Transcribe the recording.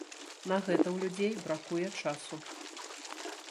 На гэта ў людзей бракуе часу.